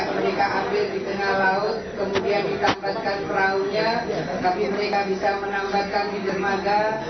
mereka ambil di tengah laut kemudian ditambatkan peraunya tapi mereka bisa menambatkan dermaga